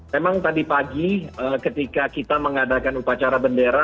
memang tadi pagi ketika kita mengadakan upacara bendera